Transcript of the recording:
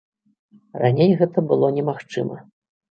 Раней гэта было немагчыма.